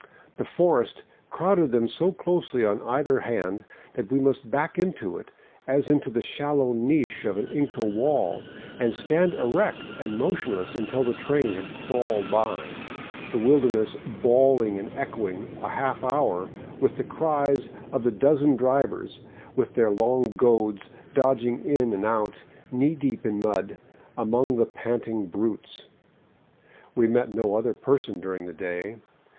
The forest crowded them so closely on either hand that we must back into it, as into the shallow niche of an Inca wall, and stand erect and motionless until the train had crawled by, the wilderness bawling and echoing a half hour with the cries of the dozen drivers with their long goads dodging In and out, knee deep in mud, among the panting brutes. We met no other person during the day.